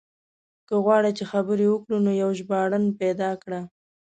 که غواړې چې خبرې وکړو نو يو ژباړن پيدا کړه.